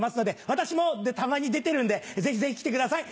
私もたまに出てるんでぜひぜひ来てください。